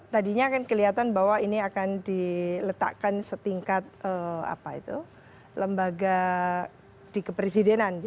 tadinya kan kelihatan bahwa ini akan diletakkan setingkat apa itu lembaga dikepresidenan